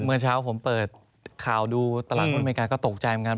เมื่อเช้าผมเปิดข่าวดูตลาดหุ้นอเมริกาก็ตกใจเหมือนกัน